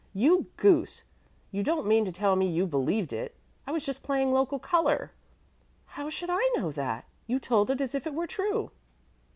"You goose, you don't mean to tell me you believed it? I was just playing local color." "How should I know that? You told it as if it were true."